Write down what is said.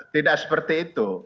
tidak seperti itu